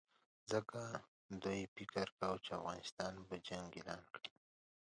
ځکه دوی فکر کاوه چې افغانستان به جنګ اعلان کړي.